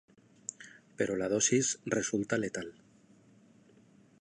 Pero la dosis resulta letal.